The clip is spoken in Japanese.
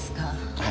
はい。